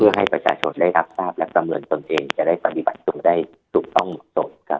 เพื่อให้ประชาชนได้รับทราบและประเมินตนเองจะได้ปฏิบัติตัวได้ถูกต้องเหมาะสมครับ